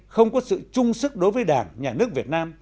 không có sự chung sức đối với đảng nhà nước việt nam